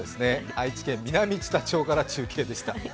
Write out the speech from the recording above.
愛知県南知多町から中継でした。